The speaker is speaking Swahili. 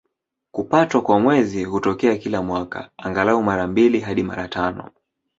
Kupatwa kwa Mwezi hutokea kila mwaka, angalau mara mbili hadi mara tano.